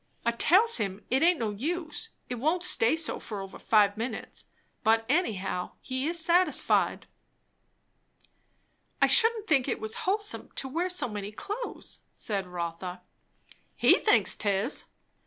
I tells him it aint no use; it won't stay so over five minutes; but anyhow, he is satisfied." "I shouldn't think it was wholesome to wear so many clothes," said Rotha. "He thinks 'tis."